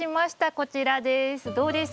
こちらです。